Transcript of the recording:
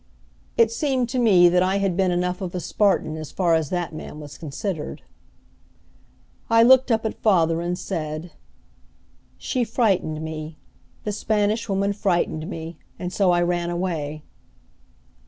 It seemed to me that I had been enough of a Spartan as far as that man was considered. I looked up at father and said, "She frightened me the Spanish Woman frightened me, and so I ran away."